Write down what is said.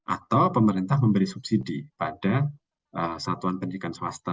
atau pemerintah memberi subsidi pada satuan pendidikan swasta